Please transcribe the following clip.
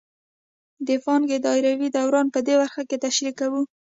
د پانګې دایروي دوران په دې برخه کې تشریح کوو